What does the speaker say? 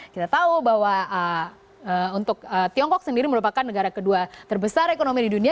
kita tahu bahwa untuk tiongkok sendiri merupakan negara kedua terbesar ekonomi di dunia